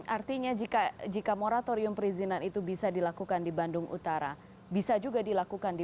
artinya jika moratorium perizinan itu bisa dilakukan di bandung utara bisa juga dilakukan di